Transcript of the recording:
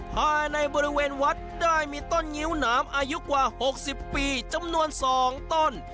ภายในบริเวณวัดได้มีต้นงิ้วหนามอายุกว่า๖๐ปีจำนวน๒ต้น